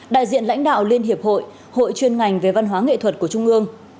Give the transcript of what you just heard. đại diện lãnh đạo liên hiệp hội hội chuyên ngành về văn hóa nghệ thuật của trung ương